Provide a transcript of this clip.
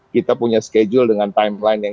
kita punya schedule dengan timeline yang